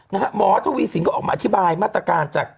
หมอทวีสินก็ออกมาอธิบายมาตรการจาก